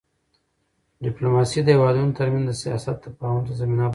ډیپلوماسي د هېوادونو ترمنځ د سیاست تفاهم ته زمینه برابروي.